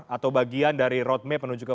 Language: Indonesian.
atau bagian dari roadmap menuju ke